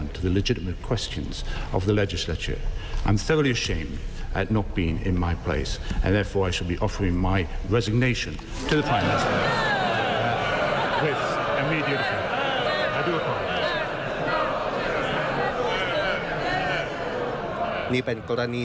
นี่เป็นกรณีที่